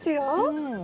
うん。